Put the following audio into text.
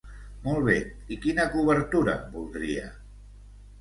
Molt bé, i quina cobertura voldria?